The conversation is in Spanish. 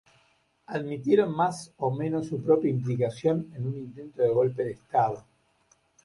Admitieron más o menos su propia implicación en un intento de golpe de estado.